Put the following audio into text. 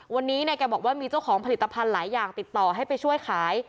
วันนี้เนี่ยแกบอกว่ามีเจ้าของผลิตภัณฑ์หลายอย่างติดต่อให้ไปช่วยขาย